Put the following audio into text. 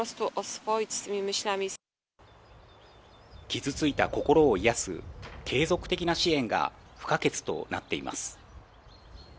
傷ついた心を癒やす継続的な支援が不可欠となっています。